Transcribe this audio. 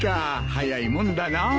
早いもんだなあ。